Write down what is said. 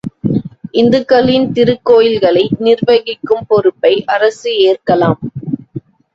இந்துக்களின் திருக்கோயில்களை நிர்வகிக்கும் பொறுப்பை அரசு ஏற்கலாம்!